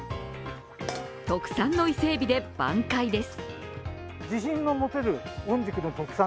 特産の伊勢えびで挽回です。